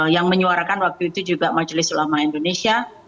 yang menyuarakan waktu itu juga majelis ulama indonesia